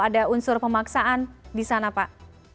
ada unsur pemaksaan di sana pak